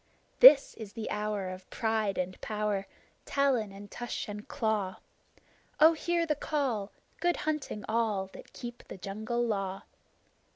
This is the hour of pride and power, Talon and tush and claw. Oh, hear the call! Good hunting all That keep the Jungle Law!